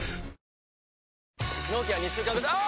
納期は２週間後あぁ！！